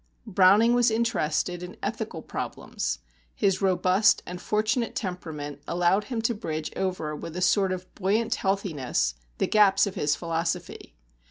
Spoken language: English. Browning was interested in ethical problems; his robust and fortunate temperament allowed him to bridge over with a sort of buoyant healthiness the gaps of his philosophy.